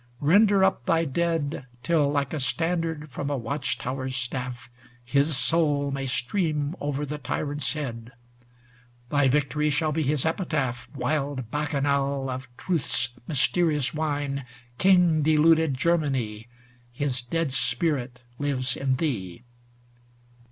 render up thy dead Till, like a standard from a watch tower's staff, His soul may stream over the tyrant's head ; Thy victory shall be his epitaph. Wild Bacchanal of truth's mysterious wine, King deluded Germany, His dead spirit lives in thee.